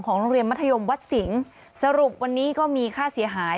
ของลงเรียนมหัวศิงสรุปวันนี้ก็มีค่าเสียหาย